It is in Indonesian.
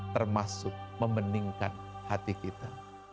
termasuk membeningkan hati kita